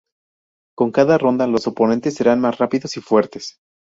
Con cada ronda los oponentes serán más rápidos y fuertes.